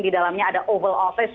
di dalamnya ada over office